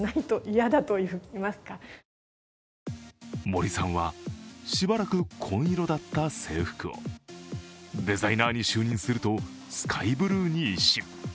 森さんは、しばらく紺色だった制服をデザイナーに就任するとスカイブルーに一新。